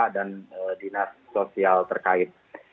dan dinas sosial terkait